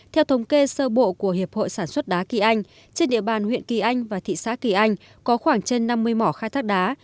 theo thống kê sơ bộ của hiệp hội sản xuất đá kỳ anh trên địa bàn huyện kỳ anh và thị xã kỳ anh có khoảng trên năm mươi mỏ khai thác đá